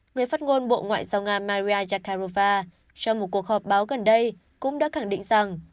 người phát ngôn bộ ngoại giao nga maria zakharova trong một cuộc họp báo gần đây cũng đã khẳng định rằng